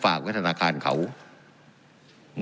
การปรับปรุงทางพื้นฐานสนามบิน